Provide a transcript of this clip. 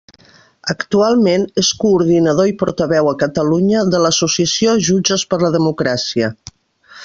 Actualment és coordinador i portaveu a Catalunya de l'associació Jutges per a la Democràcia.